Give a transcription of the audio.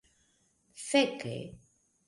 feke